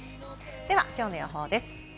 ではきょうの予報です。